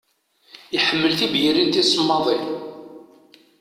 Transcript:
Iḥemmel tibyirin tisemmaḍin.